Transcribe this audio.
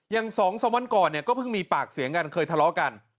อย่างสองสามวันก่อนเนี่ยก็เพิ่งมีปากเสียงกันเคยทะเลากัน